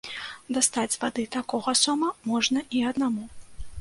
Дастаць з вады такога сома можна і аднаму.